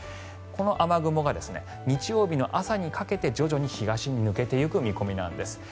この雨雲が日曜日の朝にかけて徐々に東に抜けていく見込みです。